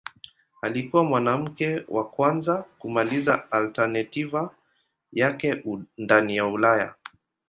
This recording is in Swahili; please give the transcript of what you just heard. Alikuwa mwanamke wa kwanza kumaliza alternativa yake ndani ya Ulaya.